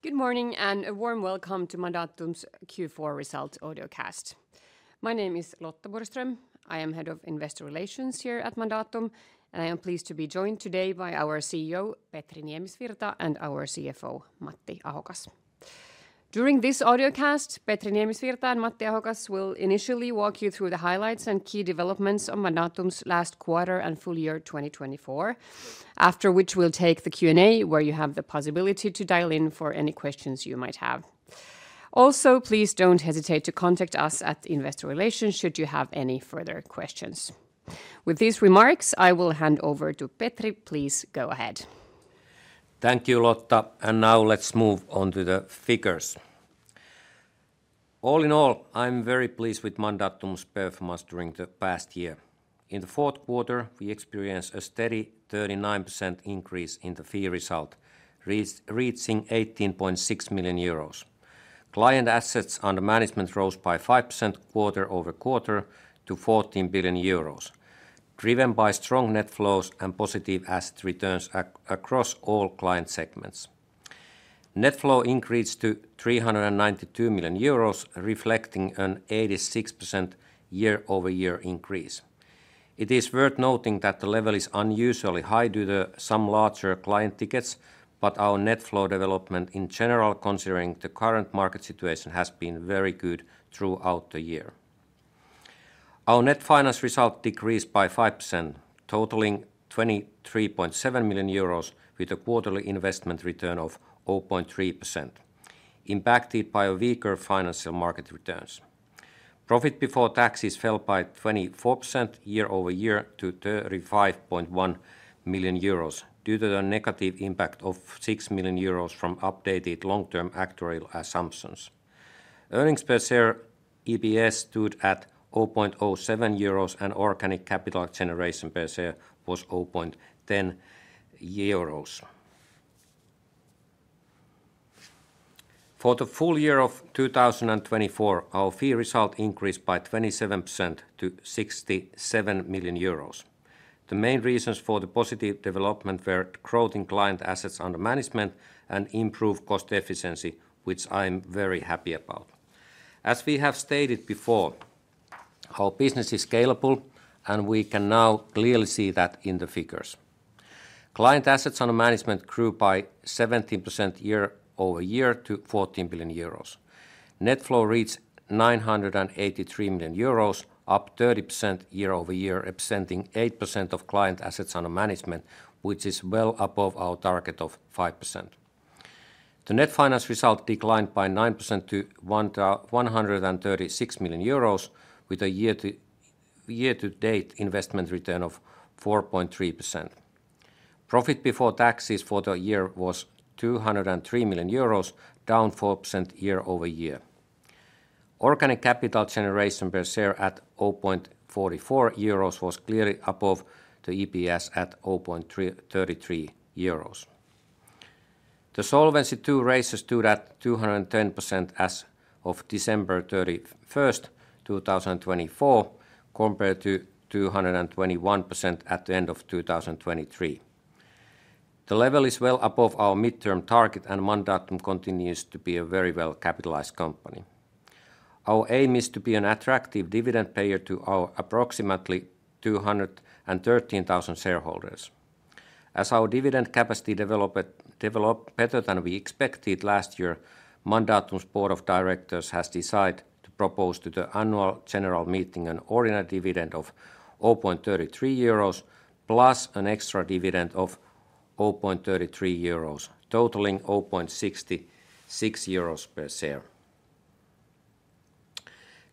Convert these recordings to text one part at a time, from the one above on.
Good morning and a warm welcome to Mandatum's Q4 Results Audiocast. My name is Lotta Borgström. I am Head of Investor Relations here at Mandatum, and I am pleased to be joined today by our CEO, Petri Niemisvirta, and our CFO, Matti Ahokas. During this audiocast, Petri Niemisvirta and Matti Ahokas will initially walk you through the highlights and key developments on Mandatum's last quarter and full year 2024, after which we'll take the Q&A, where you have the possibility to dial in for any questions you might have. Also, please don't hesitate to contact us at investor relations should you have any further questions. With these remarks, I will hand over to Petri. Please go ahead. Thank you, Lotta. And now let's move on to the figures. All in all, I'm very pleased with Mandatum's performance during the past year. In the fourth quarter, we experienced a steady 39% increase in the fee result, reaching 18.6 million euros. Client assets under management rose by 5% quarter-over-quarter to 14 billion euros, driven by strong net flows and positive asset returns across all client segments. Net flow increased to 392 million euros, reflecting an 86% year-over-year increase. It is worth noting that the level is unusually high due to some larger client tickets, but our net flow development in general, considering the current market situation, has been very good throughout the year. Our Net Finance Result decreased by 5%, totaling 23.7 million euros, with a quarterly investment return of 0.3%, impacted by weaker financial market returns. Profit before taxes fell by 24% year-over-year to 35.1 million euros due to the negative impact of 6 million euros from updated long-term actuarial assumptions. Earnings per share (EPS) stood at 0.07 euros, and Organic Capital Generation per share was 0.10 euros. For the full year of 2024, our fee result increased by 27% to 67 million euros. The main reasons for the positive development were growth in Client Assets under Management and improved cost efficiency, which I'm very happy about. As we have stated before, our business is scalable, and we can now clearly see that in the figures. Client assets under management grew by 17% year-over-year to 14 billion euros. Net flow reached 983 million euros, up 30% year-over-year, representing 8% of client assets under management, which is well above our target of 5%. The Net Finance Result declined by 9% to 136 million euros, with a year-to-date investment return of 4.3%. Profit before taxes for the year was 203 million euros, down 4% year-over-year. Organic Capital Generation per share at 0.44 euros was clearly above the EPS at 0.33 euros. The solvency ratio stood at 210% as of December 31st, 2024, compared to 221% at the end of 2023. The level is well above our midterm target, and Mandatum continues to be a very well-capitalized company. Our aim is to be an attractive dividend payer to our approximately 213,000 shareholders. As our dividend capacity developed better than we expected last year, Mandatum's Board of Directors has decided to propose to the Annual General Meeting an ordinary dividend of 0.33 euros, plus an extra dividend of 0.33 euros, totaling 0.66 euros per share.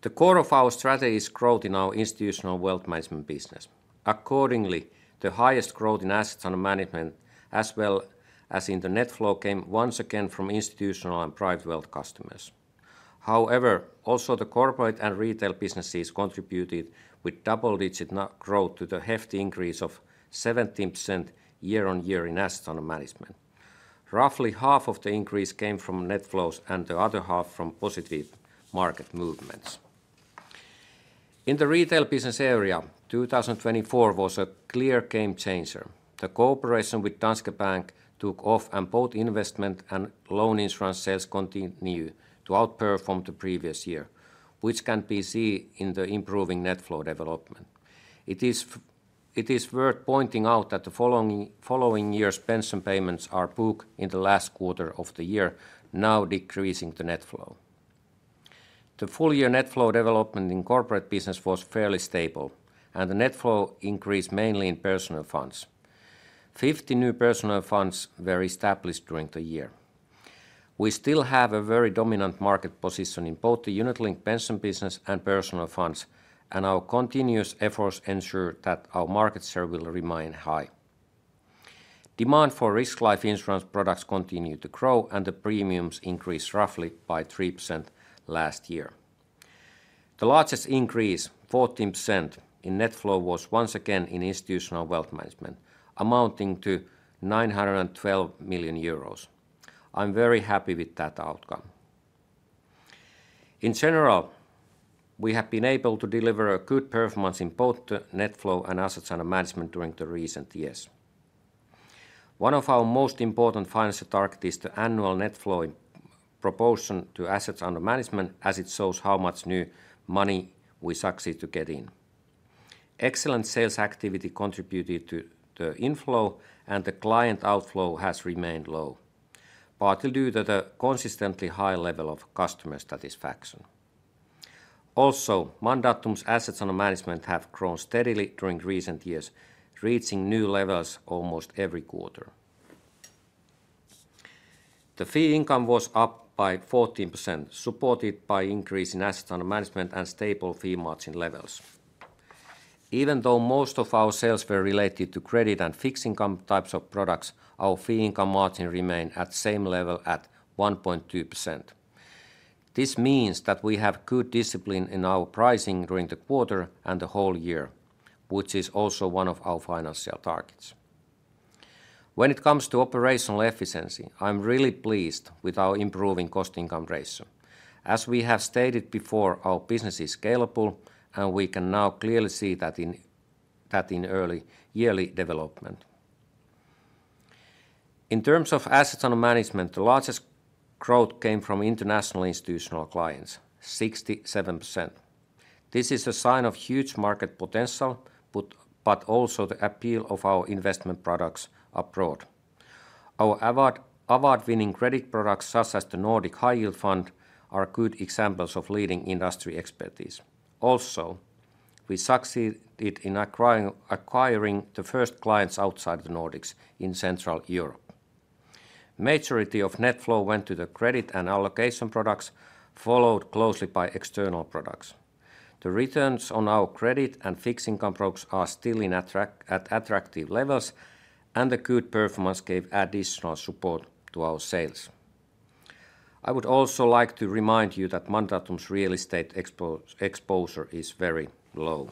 The core of our strategy is growth in our institutional wealth management business. Accordingly, the highest growth in assets under management, as well as in the net flow, came once again from institutional and private wealth customers. However, also the corporate and retail businesses contributed with double-digit growth to the hefty increase of 17% year-on-year in assets under management. Roughly half of the increase came from net flows and the other half from positive market movements. In the retail business area, 2024 was a clear game changer. The cooperation with Danske Bank took off, and both investment and loan insurance sales continued to outperform the previous year, which can be seen in the improving net flow development. It is worth pointing out that the following year's pension payments are booked in the last quarter of the year, now decreasing the net flow. The full-year net flow development in corporate business was fairly stable, and the net flow increased mainly in personnel funds. 50 new personnel funds were established during the year. We still have a very dominant market position in both the unit-linked pension business and personnel funds, and our continuous efforts ensure that our market share will remain high. Demand for risk life insurance products continued to grow, and the premiums increased roughly by 3% last year. The largest increase, 14%, in net flow was once again in institutional wealth management, amounting to 912 million euros. I'm very happy with that outcome. In general, we have been able to deliver a good performance in both the net flow and assets under management during the recent years. One of our most important financial targets is the annual net flow proportion to assets under management, as it shows how much new money we succeed to get in. Excellent sales activity contributed to the inflow, and the client outflow has remained low, partly due to the consistently high level of customer satisfaction. Also, Mandatum's assets under management have grown steadily during recent years, reaching new levels almost every quarter. The fee income was up by 14%, supported by an increase in assets under management and stable fee margin levels. Even though most of our sales were related to credit and fixed income types of products, our fee income margin remained at the same level at 1.2%. This means that we have good discipline in our pricing during the quarter and the whole year, which is also one of our financial targets. When it comes to operational efficiency, I'm really pleased with our improving cost-income ratio. As we have stated before, our business is scalable, and we can now clearly see that in early yearly development. In terms of assets under management, the largest growth came from international institutional clients: 67%. This is a sign of huge market potential, but also the appeal of our investment products abroad. Our award-winning credit products, such as the Nordic High Yield Fund, are good examples of leading industry expertise. Also, we succeeded in acquiring the first clients outside the Nordics in Central Europe. The majority of net flow went to the credit and allocation products, followed closely by external products. The returns on our credit and fixed income products are still at attractive levels, and the good performance gave additional support to our sales. I would also like to remind you that Mandatum's real estate exposure is very low.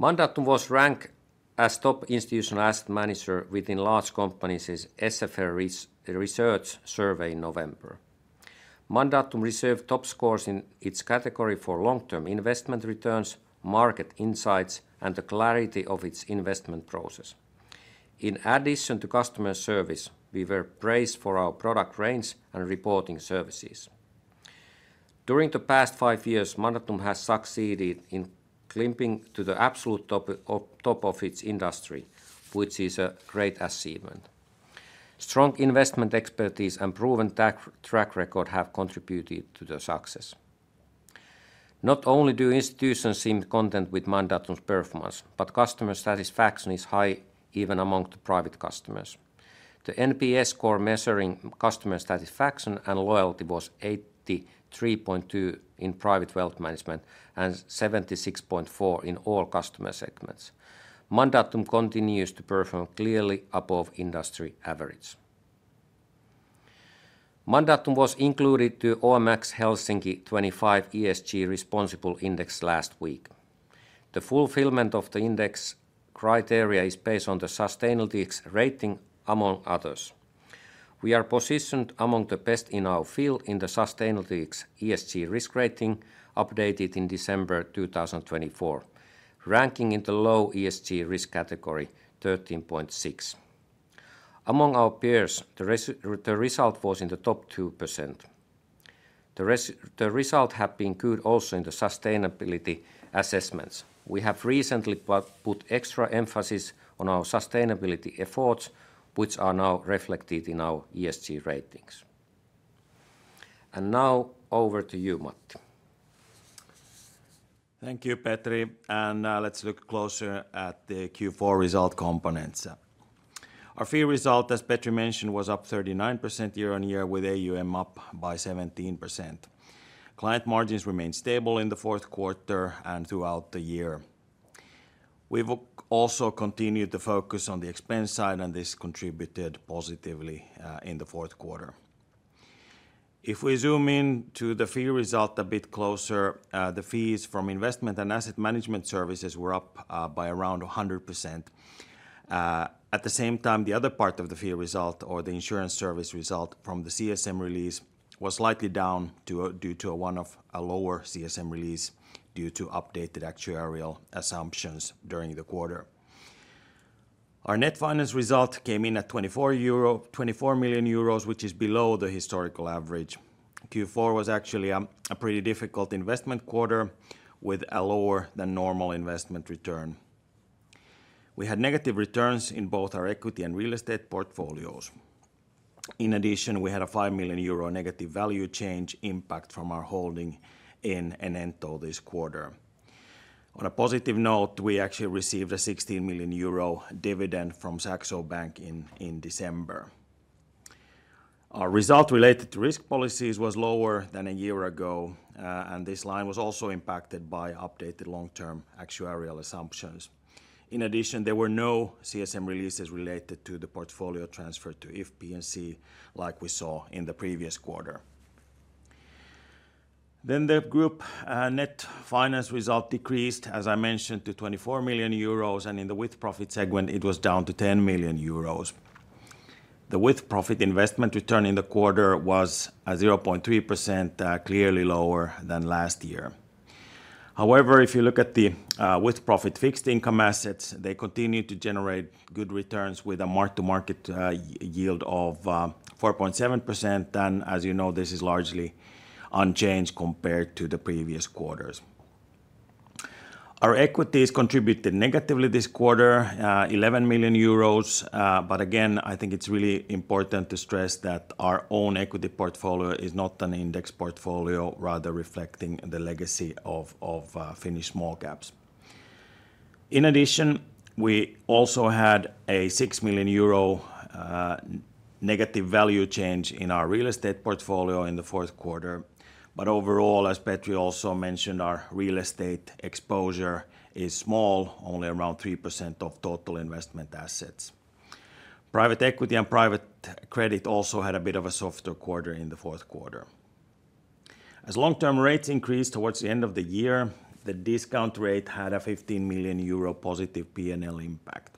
Mandatum was ranked as top institutional asset manager within large companies in SFR Research survey in November. Mandatum received top scores in its category for long-term investment returns, market insights, and the clarity of its investment process. In addition to customer service, we were praised for our product range and reporting services. During the past five years, Mandatum has succeeded in climbing to the absolute top of its industry, which is a great achievement. Strong investment expertise and proven track record have contributed to the success. Not only do institutions seem content with Mandatum's performance, but customer satisfaction is high even among the private customers. The NPS score measuring customer satisfaction and loyalty was 83.2 in private wealth management and 76.4 in all customer segments. Mandatum continues to perform clearly above industry average. Mandatum was included to OMX Helsinki 25 ESG Responsible Index last week. The fulfillment of the index criteria is based on the sustainability rating, among others. We are positioned among the best in our field in the sustainability ESG risk rating, updated in December 2024, ranking in the low ESG risk category, 13.6. Among our peers, the result was in the top 2%. The result has been good also in the sustainability assessments. We have recently put extra emphasis on our sustainability efforts, which are now reflected in our ESG ratings, and now over to you, Matti. Thank you, Petri, and now let's look closer at the Q4 result components. Our fee result, as Petri mentioned, was up 39% year-on-year, with AuM up by 17%. Client margins remained stable in the fourth quarter and throughout the year. We've also continued to focus on the expense side, and this contributed positively in the fourth quarter. If we zoom in to the fee result a bit closer, the fees from investment and asset management services were up by around 100%. At the same time, the other part of the fee result, or the Insurance Service Result from the CSM release, was slightly down due to one of a lower CSM release due to updated actuarial assumptions during the quarter. Our Net Finance Result came in at 24 million euro, which is below the historical average. Q4 was actually a pretty difficult investment quarter, with a lower than normal investment return. We had negative returns in both our equity and real estate portfolios. In addition, we had a 5 million euro negative value change impact from our holding in Enento this quarter. On a positive note, we actually received a 16 million euro dividend from Saxo Bank in December. Our result related to risk policies was lower than a year ago, and this line was also impacted by updated long-term actuarial assumptions. In addition, there were no CSM releases related to the portfolio transfer to If P&C, like we saw in the previous quarter. Then the group Net Finance Result decreased, as I mentioned, to 24 million euros, and in the with-profit segment, it was down to 10 million euros. The with-profit investment return in the quarter was 0.3%, clearly lower than last year. However, if you look at the with-profit fixed income assets, they continue to generate good returns with a mark-to-market yield of 4.7%, and as you know, this is largely unchanged compared to the previous quarters. Our equities contributed negatively this quarter, 11 million euros, but again, I think it's really important to stress that our own equity portfolio is not an index portfolio, rather reflecting the legacy of Finnish small caps. In addition, we also had a 6 million euro negative value change in our real estate portfolio in the fourth quarter, but overall, as Petri also mentioned, our real estate exposure is small, only around 3% of total investment assets. Private equity and private credit also had a bit of a softer quarter in the fourth quarter. As long-term rates increased towards the end of the year, the discount rate had a 15 million euro positive P&L impact.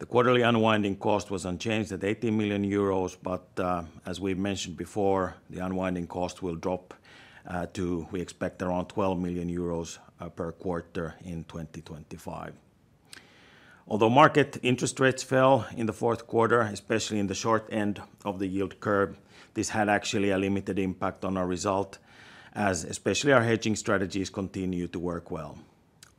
The quarterly unwinding cost was unchanged at 18 million euros, but as we mentioned before, the unwinding cost will drop to, we expect, around 12 million euros per quarter in 2025. Although market interest rates fell in the fourth quarter, especially in the short end of the yield curve, this had actually a limited impact on our result, as especially our hedging strategies continue to work well.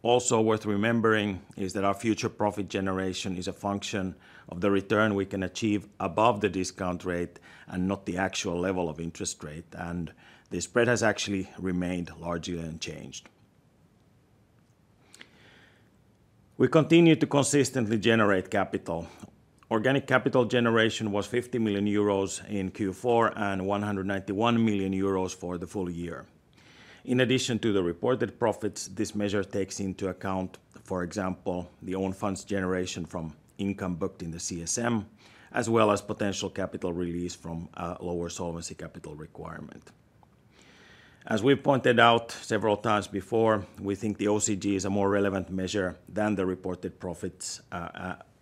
Also worth remembering is that our future profit generation is a function of the return we can achieve above the discount rate and not the actual level of interest rate, and the spread has actually remained largely unchanged. We continue to consistently generate capital. Organic Capital Generation was 50 million euros in Q4 and 191 million euros for the full year. In addition to the reported profits, this measure takes into account, for example, the own funds generation from income booked in the CSM, as well as potential capital release from lower Solvency Capital Requirement. As we pointed out several times before, we think the OCG is a more relevant measure than the reported profits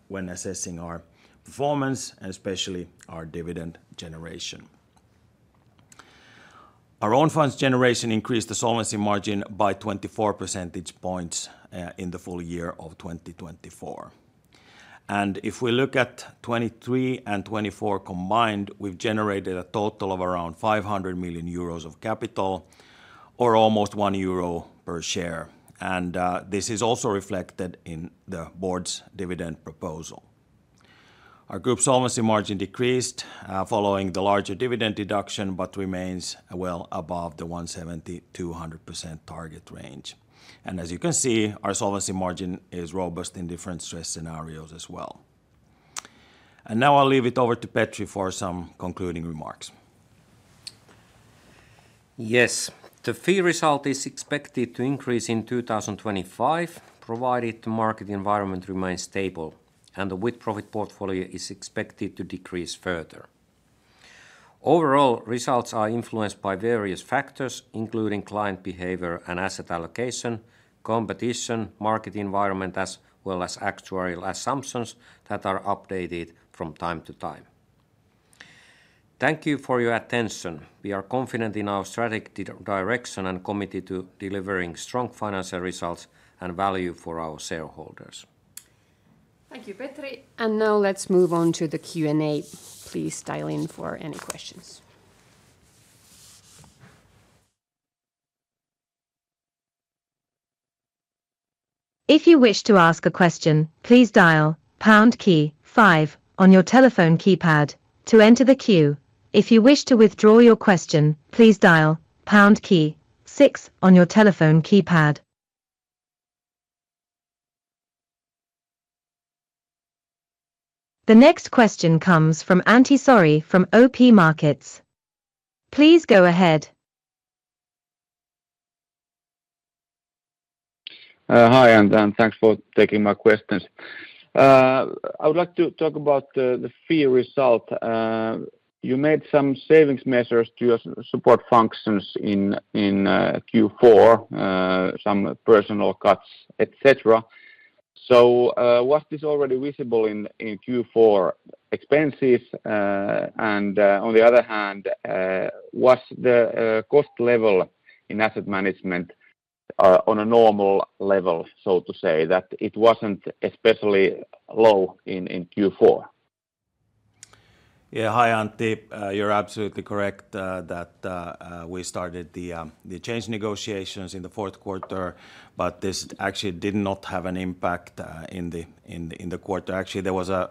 when assessing our performance, and especially our dividend generation. Our own funds generation increased the solvency margin by 24 percentage points in the full year of 2024, and if we look at 2023 and 2024 combined, we've generated a total of around 500 million euros of capital, or almost 1 euro per share, and this is also reflected in the board's dividend proposal. Our group solvency margin decreased following the larger dividend deduction, but remains well above the 170%-200% target range, and as you can see, our solvency margin is robust in different stress scenarios as well, and now I'll leave it over to Petri for some concluding remarks. Yes, the fee result is expected to increase in 2025, provided the market environment remains stable, and the with-profit portfolio is expected to decrease further. Overall, results are influenced by various factors, including client behavior and asset allocation, competition, market environment, as well as actuarial assumptions that are updated from time to time. Thank you for your attention. We are confident in our strategic direction and committed to delivering strong financial results and value for our shareholders. Thank you, Petri. And now let's move on to the Q&A. Please dial in for any questions. If you wish to ask a question, please dial pound key five on your telephone keypad to enter the queue. If you wish to withdraw your question, please dial pound key six on your telephone keypad. The next question comes from Antti Saari from OP Markets. Please go ahead. Hi, and thanks for taking my questions. I would like to talk about the fee result. You made some savings measures to your support functions in Q4, some personnel cuts, etc. So was this already visible in Q4 expenses? And on the other hand, was the cost level in asset management on a normal level, so to say, that it wasn't especially low in Q4? Yeah, hi, Antti. You're absolutely correct that we started the change negotiations in the fourth quarter, but this actually did not have an impact in the quarter. Actually, there was a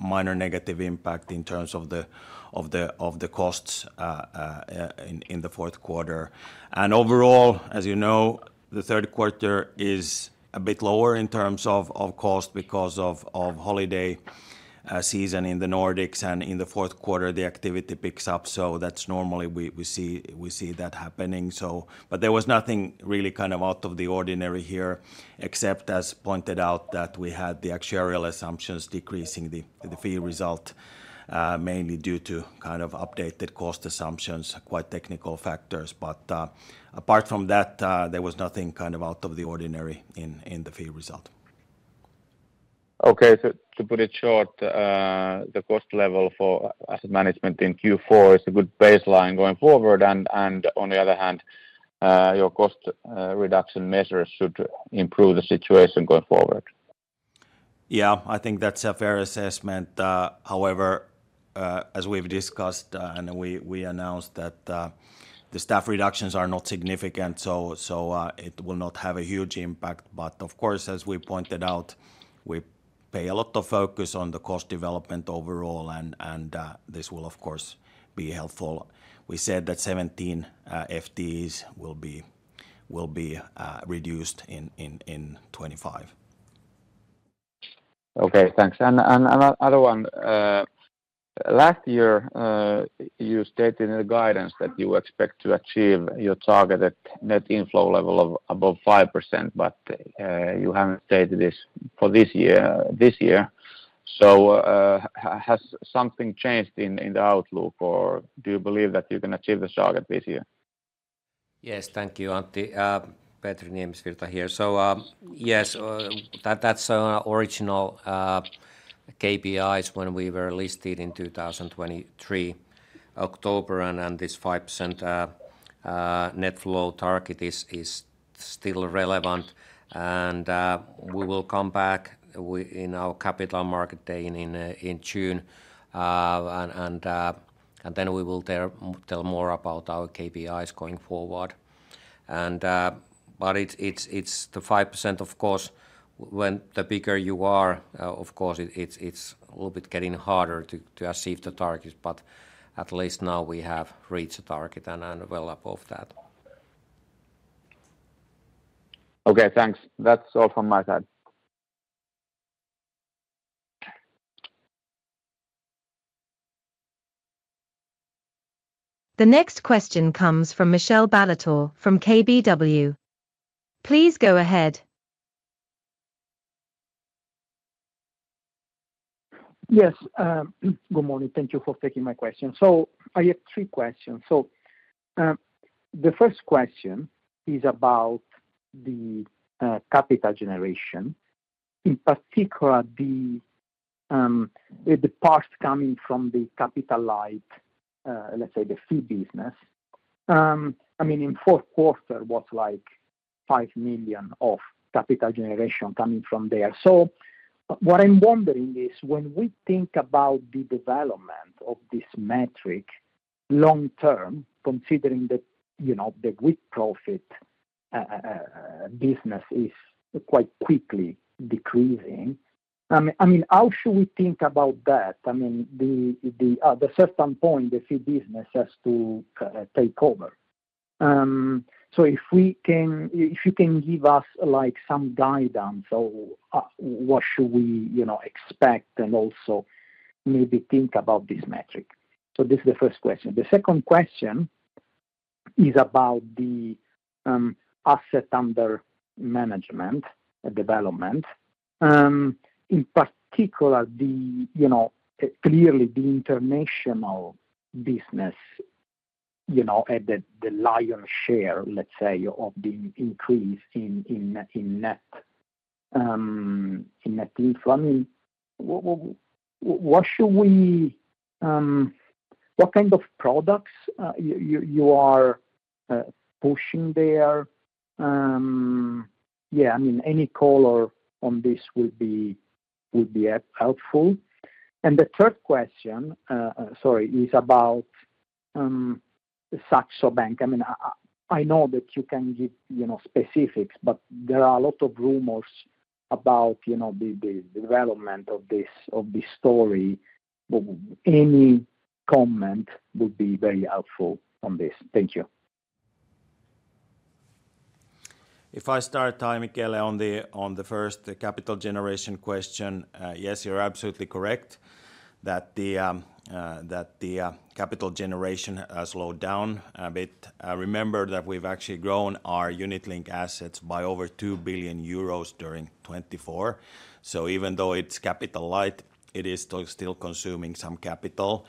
minor negative impact in terms of the costs in the fourth quarter, and overall, as you know, the third quarter is a bit lower in terms of cost because of holiday season in the Nordics, and in the fourth quarter, the activity picks up, so that's normally we see that happening, but there was nothing really kind of out of the ordinary here, except, as pointed out, that we had the actuarial assumptions decreasing the fee result, mainly due to kind of updated cost assumptions, quite technical factors, but apart from that, there was nothing kind of out of the ordinary in the fee result. Okay, so to put it short, the cost level for asset management in Q4 is a good baseline going forward, and on the other hand, your cost reduction measures should improve the situation going forward. Yeah, I think that's a fair assessment. However, as we've discussed and we announced that the staff reductions are not significant, so it will not have a huge impact. But of course, as we pointed out, we pay a lot of focus on the cost development overall, and this will, of course, be helpful. We said that 17 FTEs will be reduced in 2025. Okay, thanks. And another one. Last year, you stated in the guidance that you expect to achieve your targeted net inflow level of above 5%, but you haven't stated this for this year. So has something changed in the outlook, or do you believe that you can achieve the target this year? Yes, thank you, Antti. Petri Niemisvirta here, so yes, that's our original KPIs when we were listed in 2023 October, and this 5% net flow target is still relevant, and we will come back in our Capital Markets Day in June, and then we will tell more about our KPIs going forward, but it's the 5%, of course, when the bigger you are, of course, it's a little bit getting harder to achieve the target, but at least now we have reached the target and well above that. Okay, thanks. That's all from my side. The next question comes from Michele Ballatore from KBW. Please go ahead. Yes, good morning. Thank you for taking my question. So I have three questions. So the first question is about the capital generation, in particular the part coming from the capitalized, let's say, the fee business. I mean, in fourth quarter, it was like 5 million of capital generation coming from there. So what I'm wondering is when we think about the development of this metric long-term, considering that the with-profit business is quite quickly decreasing, I mean, how should we think about that? I mean, at a certain point the fee business has to take over. So if you can give us some guidance on what should we expect and also maybe think about this metric. So this is the first question. The second question is about the assets under management development. In particular, clearly the international business had the lion's share, let's say, of the increase in net inflow. I mean, what kind of products you are pushing there? Yeah, I mean, any color on this would be helpful. And the third question, sorry, is about Saxo Bank. I mean, I know that you can give specifics, but there are a lot of rumors about the development of this story. Any comment would be very helpful on this. Thank you. If I start, Michele, on the first capital generation question, yes, you're absolutely correct that the capital generation has slowed down a bit. Remember that we've actually grown our unit-linked assets by over 2 billion euros during 2024. So even though it's capitalized, it is still consuming some capital.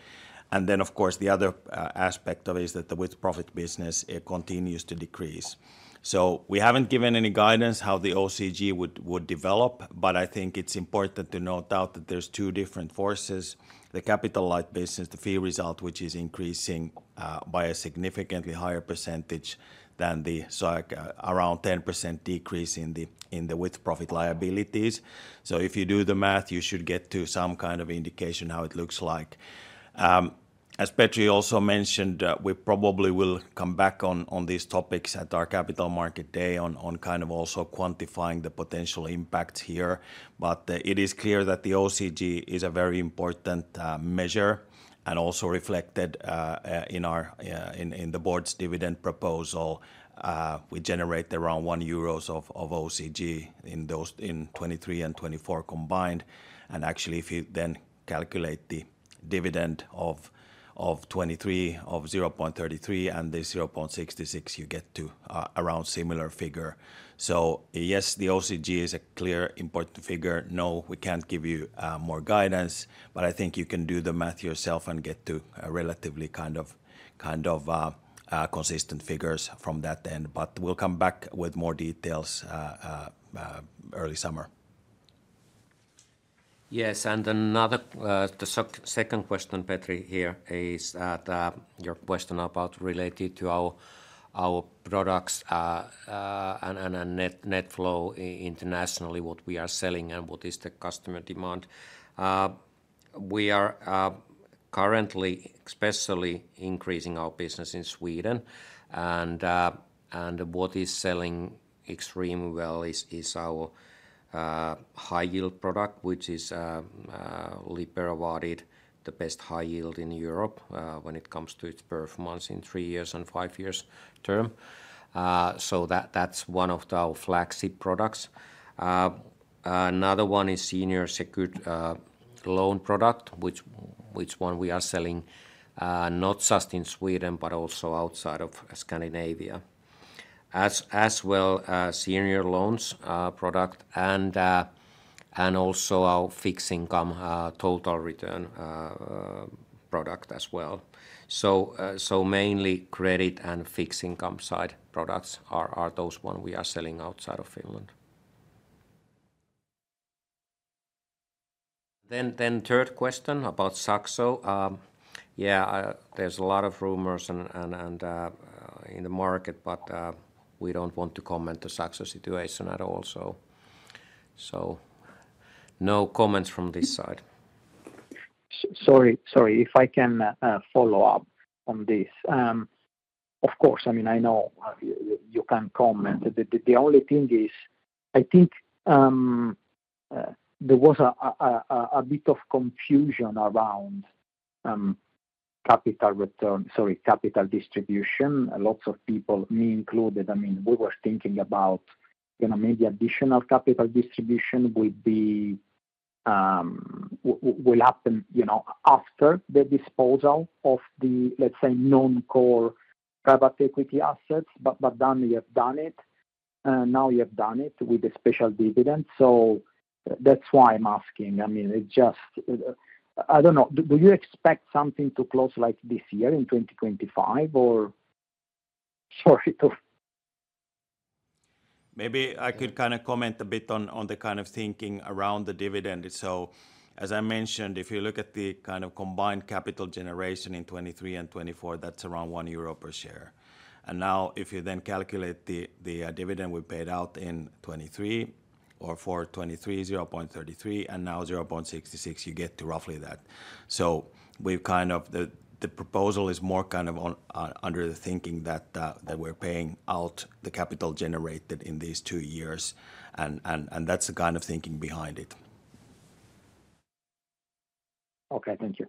And then, of course, the other aspect of it is that the with-profit business continues to decrease. So we haven't given any guidance on how the OCG would develop, but I think it's important to note that there's two different forces. The capitalized business, the fee result, which is increasing by a significantly higher percentage than the around 10% decrease in the with-profit liabilities. So if you do the math, you should get to some kind of indication how it looks like. As Petri also mentioned, we probably will come back on these topics at our Capital Markets Day, kind of also quantifying the potential impacts here, but it is clear that the OCG is a very important measure and also reflected in the board's dividend proposal. We generate around 1 euros of OCG in 2023 and 2024 combined, and actually, if you then calculate the dividend of 2023 of 0.33 and the 0.66, you get to around a similar figure, so yes, the OCG is a clear important figure. No, we can't give you more guidance, but I think you can do the math yourself and get to relatively kind of consistent figures from that end, but we'll come back with more details early summer. Yes, and another second question, Petri. Here is your question related to our products and net flow internationally, what we are selling and what is the customer demand. We are currently especially increasing our business in Sweden, and what is selling extremely well is our high yield product, which is Lipper Award, the best high yield in Europe when it comes to its performance in three years and five years term. So that's one of our flagship products. Another one is Senior Secured Loan product, which one we are selling not just in Sweden, but also outside of Scandinavia. As well, Senior Loans product and also our Fixed Income Total Return product as well. So mainly credit and fixed income side products are those one we are selling outside of Finland. Then third question about Saxo. Yeah, there's a lot of rumors in the market, but we don't want to comment on the Saxo situation at all. So no comments from this side. Sorry, sorry, if I can follow-up on this. Of course, I mean, I know you can comment. The only thing is I think there was a bit of confusion around capital, sorry, capital distribution. Lots of people, me included, I mean, we were thinking about maybe additional capital distribution will happen after the disposal of the, let's say, non-core private equity assets, but then you have done it. Now you have done it with a special dividend. So that's why I'm asking. I mean, it's just, I don't know, do you expect something to close like this year in 2025, or sorry. Maybe I could kind of comment a bit on the kind of thinking around the dividend. So as I mentioned, if you look at the kind of combined capital generation in 2023 and 2024, that's around 1 euro per share. And now if you then calculate the dividend we paid out in 2023 or for 2023, 0.33, and now 0.66, you get to roughly that. So we've kind of the proposal is more kind of under the thinking that we're paying out the capital generated in these two years, and that's the kind of thinking behind it. Okay, thank you.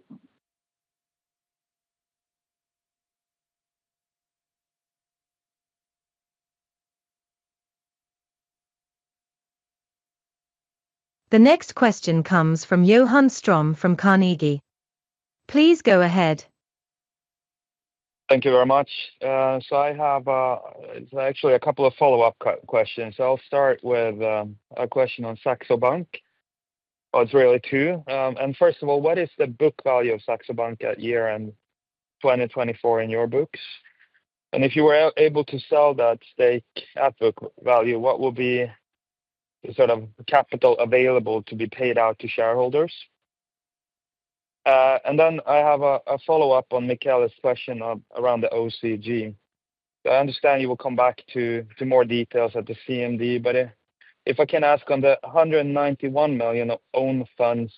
The next question comes from Johan Ström from Carnegie. Please go ahead. Thank you very much. I have actually a couple of follow-up questions. I'll start with a question on Saxo Bank. Well, it's really two. First of all, what is the book value of Saxo Bank at year end 2024 in your books? If you were able to sell that stake at book value, what will be the sort of capital available to be paid out to shareholders? Then I have a follow-up on Michele's question around the OCG. I understand you will come back to more details at the CMD, but if I can ask on the 191 million own funds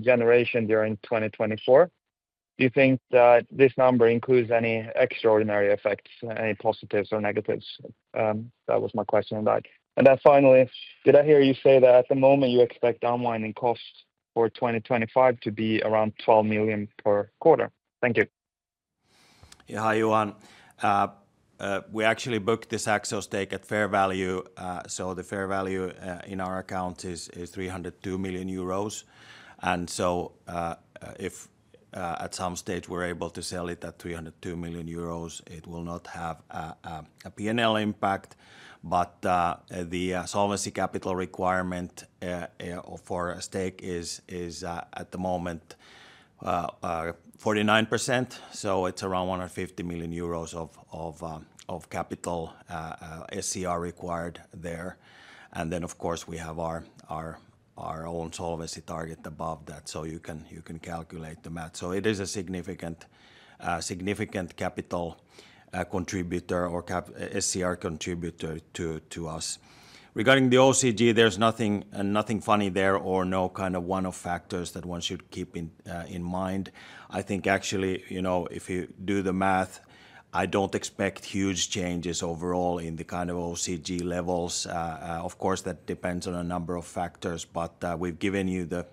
generation during 2024, do you think that this number includes any extraordinary effects, any positives or negatives? That was my question on that. And then, finally, did I hear you say that at the moment you expect underlying costs for 2025 to be around 12 million per quarter? Thank you. Yeah, hi, Johan. We actually booked this Saxo stake at fair value, so the fair value in our account is 302 million euros, and so if at some stage we're able to sell it at 302 million euros, it will not have a P&L impact, but the Solvency Capital Requirement for a stake is at the moment 49%, so it's around 150 million euros of capital SCR required there, and then, of course, we have our own solvency target above that, so you can calculate the math, so it is a significant capital contributor or SCR contributor to us. Regarding the OCG, there's nothing funny there or no kind of one-off factors that one should keep in mind. I think actually, if you do the math, I don't expect huge changes overall in the kind of OCG levels. Of course, that depends on a number of factors, but we've given you the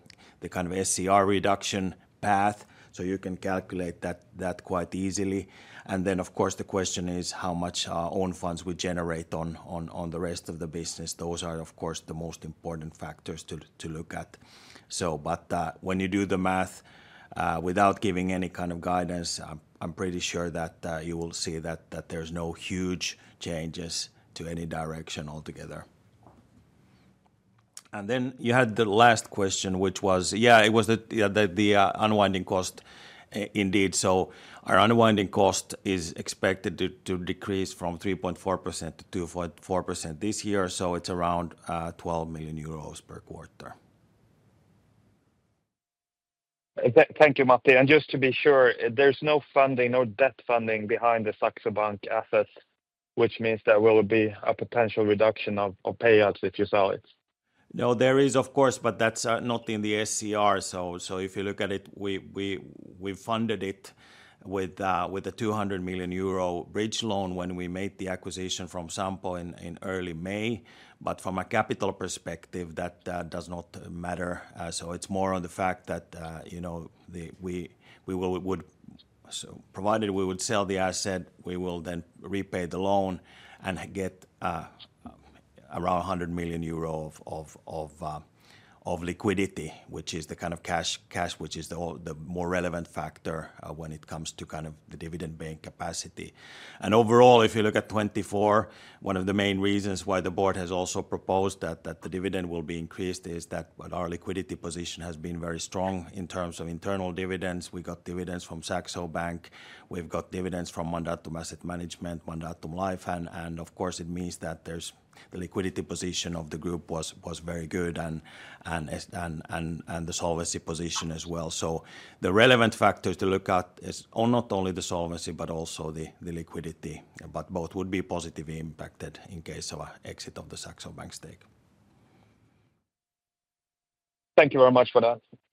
kind of SCR reduction path, so you can calculate that quite easily. And then, of course, the question is how much own funds we generate on the rest of the business. Those are, of course, the most important factors to look at. But when you do the math without giving any kind of guidance, I'm pretty sure that you will see that there's no huge changes to any direction altogether. And then you had the last question, which was, yeah, it was the unwinding cost indeed. So our unwinding cost is expected to decrease from 3.4%-2.4% this year. So it's around 12 million euros per quarter. Thank you, Matti. And just to be sure, there's no funding, no debt funding behind the Saxo Bank assets, which means there will be a potential reduction of payouts if you sell it. No, there is, of course, but that's not in the SCR. So if you look at it, we funded it with a 200 million euro bridge loan when we made the acquisition from Sampo in early May. But from a capital perspective, that does not matter. So it's more on the fact that we would, provided we would sell the asset, we will then repay the loan and get around 100 million euro of liquidity, which is the kind of cash, which is the more relevant factor when it comes to kind of the dividend bank capacity. And overall, if you look at 2024, one of the main reasons why the board has also proposed that the dividend will be increased is that our liquidity position has been very strong in terms of internal dividends. We got dividends from Saxo Bank. We've got dividends from Mandatum Asset Management, Mandatum Life. And of course, it means that the liquidity position of the group was very good and the solvency position as well. So the relevant factors to look at are not only the solvency, but also the liquidity, but both would be positively impacted in case of an exit of the Saxo Bank stake. Thank you very much for that.